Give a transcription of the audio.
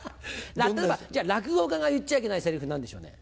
例えばじゃあ落語家が言っちゃいけないセリフ何でしょうね？